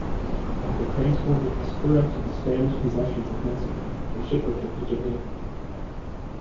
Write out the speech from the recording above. After transporting Hasekura to the Spanish possessions of Mexico, the ship returned to Japan.